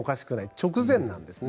直前なんですね。